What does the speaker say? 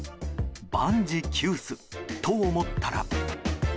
万事休すと思ったら。